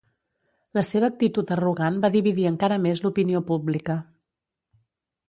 La seva actitud arrogant va dividir encara més l'opinió pública.